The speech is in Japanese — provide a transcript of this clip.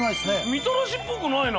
みたらしっぽくないな。